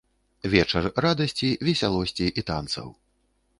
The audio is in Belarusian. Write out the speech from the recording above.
Вечар радасці, весялосці і танцаў.